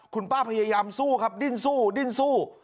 คุณป้าพยายามสู้ครับดิ้นสู้ดิ้นสู้